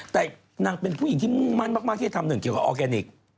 แต่นางเป็นผู้หญิงที่มุ่งมั่นมากที่จะทำหนึ่งเกี่ยวกับออร์แกนิค